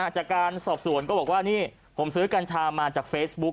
จากการสอบสวนก็บอกว่านี่ผมซื้อกัญชามาจากเฟซบุ๊ค